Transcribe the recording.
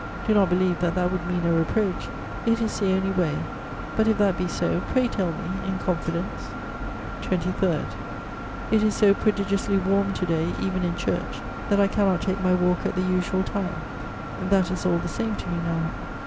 Do not believe that that would mean a reproach: it is the only way; but, if that be so, pray tell me, in confidence." "23. "It is so prodigiously warm to day, even in church, that I cannot take my walk at the usual time: that is all the same to me now.